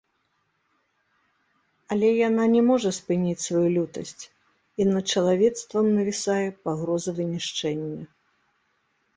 Але яна не можа спыніць сваю лютасць, і над чалавецтвам навісае пагроза вынішчэння.